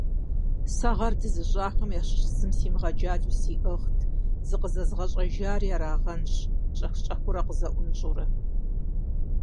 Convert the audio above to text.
Сэ гъэр дызыщӀахэм ящыщ зым симыгъэджалэу сиӀыгът, зыкъызэзыгъэщӀэжари арагъэнущ, щӀэх-щӀэхыурэ къызэӀунщӀурэ.